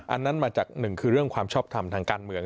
อันนั้นมาจากหนึ่งคือเรื่องความชอบทำทางการเมือง